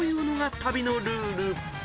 旅のルール］